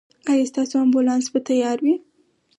ایا ستاسو امبولانس به تیار وي؟